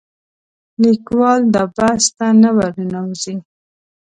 لیکوال دا بحث ته نه ورننوځي